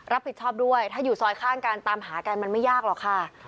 รับผิดชอบด้วยถ้าอยู่ซอยข้างกันตามหากันมันไม่ยากหรอกค่ะ